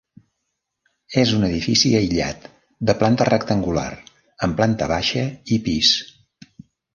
És un edifici aïllat, de planta rectangular, amb planta baixa i pis.